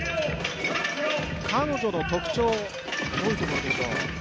彼女の特徴、どういうところでしょう？